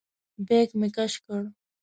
بیک مې کش کړ.